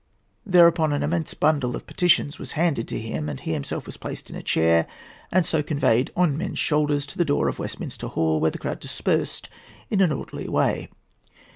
Thereupon an immense bundle of petitions was handed him, and he himself was placed in a chair, and so conveyed on men's shoulders to the door of Westminster Hall, where the crowd dispersed in an orderly way.